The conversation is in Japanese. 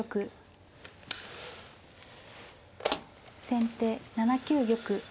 先手７九玉。